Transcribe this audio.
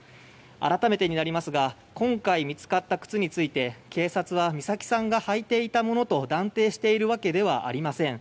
改めてになりますが今回見つかった靴について警察は美咲さんが履いていたものと断定しているわけではありません。